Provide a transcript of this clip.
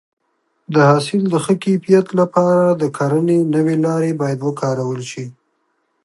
د حاصل د ښه کیفیت لپاره د کرنې نوې لارې باید وکارول شي.